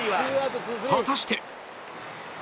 果たして